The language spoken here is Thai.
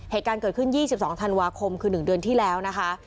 เหตุการณ์เกิดขึ้น๒๒ธันวาคมคือ๑เดือนที่แล้วนะคะ